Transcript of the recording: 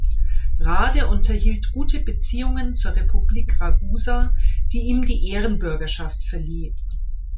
Rade unterhielt gute Beziehungen zur Republik Ragusa, die ihm die Ehrenbürgerschaft verlieh.